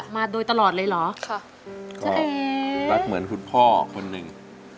มาโดยตลอดเลยเหรอจ๊ะเอ๊ะก็รักเหมือนคุณพ่อคนนึง